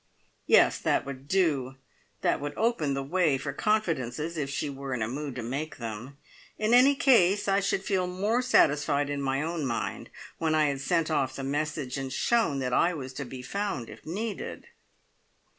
Yes, that would do! That would open the way for confidences, if she were in a mood to make them. In any case, I should feel more satisfied in my own mind when I had sent off the message, and shown that I was to be found if needed.